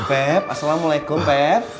pep assalamualaikum pep